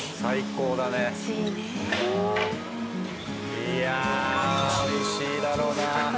いやあ美味しいだろうな。